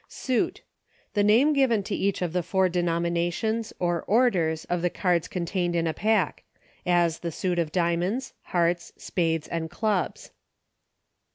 Suit. The name given to each of the four denominations, or orders, of the cards con tained in a pack — as the suit of diamonds, hearts, spades, and clubs.